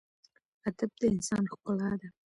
ادب د انسان ښکلا ده.